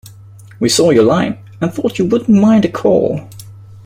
We saw your light, and thought you wouldn't mind a call.